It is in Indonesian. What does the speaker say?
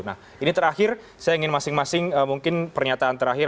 nah ini terakhir saya ingin masing masing mungkin pernyataan terakhir